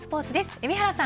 海老原さん